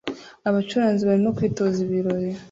Abacuranzi barimo kwitoza ibirori